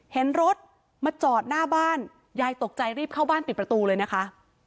เห็นรถมาจอดหน้าบ้านยายตกใจรีบเข้าบ้านปิดประตูเลยนะคะ